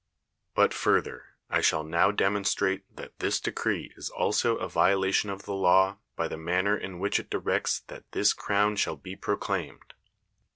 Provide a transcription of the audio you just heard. But further, I shall now demonstrate that this decree is also a violation of the law by the man ner in which it directs that this crown shall be proclaimed.